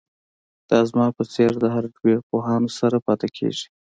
دا زما په څیر د هارډویر پوهانو سره پاتې کیږي